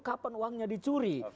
kapan uangnya dicuri